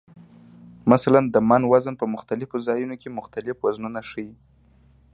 مثلا د "من" وزن په مختلفو ځایونو کې مختلف وزنونه ښیي.